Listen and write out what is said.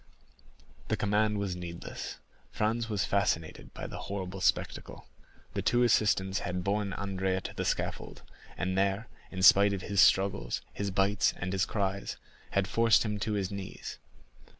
20172m The recommendation was needless. Franz was fascinated by the horrible spectacle. The two assistants had borne Andrea to the scaffold, and there, in spite of his struggles, his bites, and his cries, had forced him to his knees.